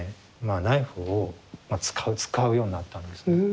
ナイフを使うようになったんです。